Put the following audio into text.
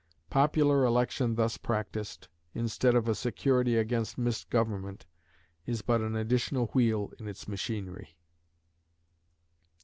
Popular election thus practiced, instead of a security against misgovernment, is but an additional wheel in its machinery.